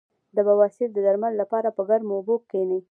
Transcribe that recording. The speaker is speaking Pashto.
د بواسیر د درد لپاره په ګرمو اوبو کینئ